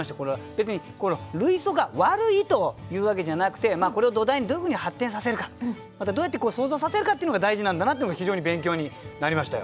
別に類想が悪いというわけじゃなくてこれを土台にどういうふうに発展させるかまたどうやって想像させるかっていうのが大事なんだなっていうのが非常に勉強になりましたよ。